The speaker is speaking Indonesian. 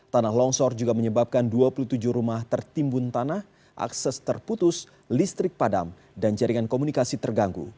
tanah longsor juga menyebabkan dua puluh tujuh rumah tertimbun tanah akses terputus listrik padam dan jaringan komunikasi terganggu